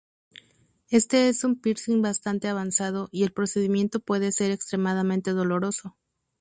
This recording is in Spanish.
Este es un piercing bastante avanzado, y el procedimiento puede ser extremadamente doloroso.